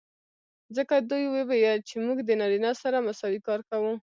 ځکه دوي وويل چې موږ د نارينه سره مساوي کار کو.